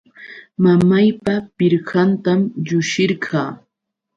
Mamaypa pirqantam llushirqaa.